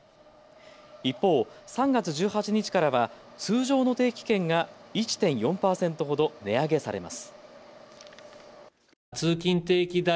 一方、３月１８日からは通常の定期券が１．４％ほど値上げされます。